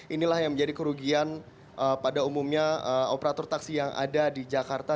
inilah yang menjadi kerugian pada umumnya operator taksi yang ada di jakarta